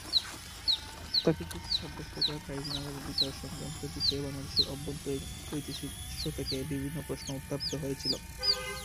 তাকে দোষী সাব্যস্ত করায় ট্রাইব্যুনালের বিচার সংক্রান্ত বিষয়ে বাংলাদেশের অভ্যন্তরীণ ও বৈদেশিক উৎস থেকে বিভিন্ন প্রশ্ন উত্থাপিত হয়েছিল।